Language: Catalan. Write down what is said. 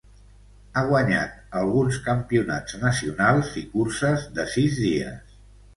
Ha guanyat alguns campionats nacionals i curses de sis dies.